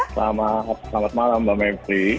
selamat malam mbak mepri